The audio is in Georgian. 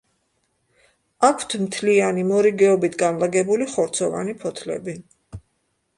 აქვთ მთლიანი, მორიგეობით განლაგებული ხორცოვანი ფოთლები.